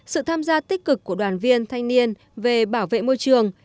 sự tham gia tích cực của đoàn viên thanh niên về bảo vệ môi trường